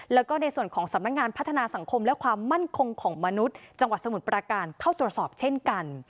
แล้วก็ในส่วนของสำนักงานพัฒนาสังคมและความมั่นคงของมนุษย์จังหวัดสมุทรประการเข้าตรวจสอบเช่นกัน